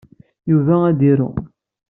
Yuba ad iru.